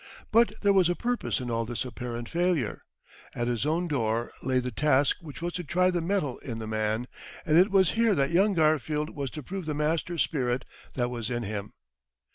But there was a purpose in all this apparent failure. At his own door lay the task which was to try the metal in the man, and it was here that young Garfield was to prove the master spirit that was in him.